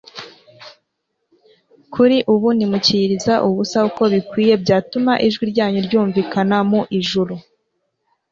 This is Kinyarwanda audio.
Kuri ubu ntimucyiyiriza ubusa uko bikwinye byatuma ijwi ryanyu ryumvikana mu ijuru,